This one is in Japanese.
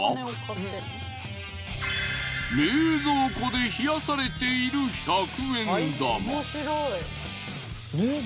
冷蔵庫で冷やされている１００円玉。